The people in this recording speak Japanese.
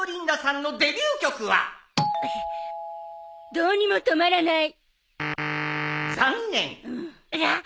『どうにもとまらない』残念！